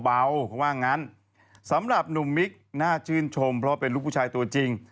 เขาว่างั้นสำหรับหนุ่มมิกน่าชื่นชมเพราะเป็นลูกผู้ชายตัวจริง